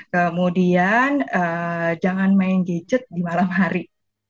kemudian jangan main gadget di malam hari